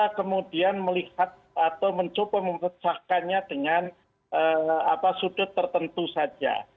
kita kemudian melihat atau mencoba mempecahkannya dengan sudut tertentu saja